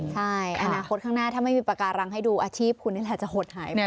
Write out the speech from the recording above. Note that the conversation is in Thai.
ใช่อนาคตข้างหน้าถ้าไม่มีปากการังให้ดูอาชีพคุณนี่แหละจะหดหายไป